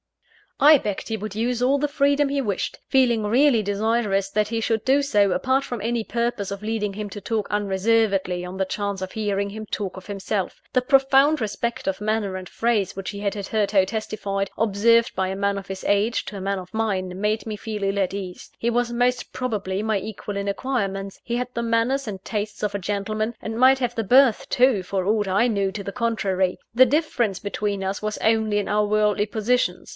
I begged he would use all the freedom he wished; feeling really desirous that he should do so, apart from any purpose of leading him to talk unreservedly on the chance of hearing him talk of himself. The profound respect of manner and phrase which he had hitherto testified observed by a man of his age, to a man of mine made me feel ill at ease. He was most probably my equal in acquirements: he had the manners and tastes of a gentleman, and might have the birth too, for aught I knew to the contrary. The difference between us was only in our worldly positions.